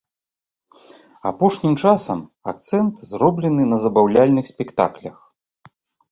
Апошні часам акцэнт зроблены на забаўляльных спектаклях.